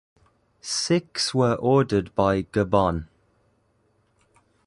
Six were ordered by Gabon.